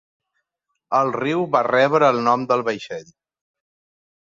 El riu va rebre el nom del vaixell.